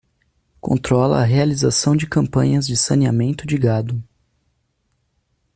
Controla a realização de campanhas de saneamento de gado.